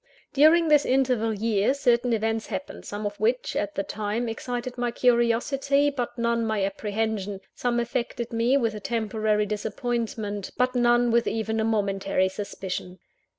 During this interval year, certain events happened, some of which, at the time, excited my curiosity, but none my apprehension some affected me with a temporary disappointment, but none with even a momentary suspicion.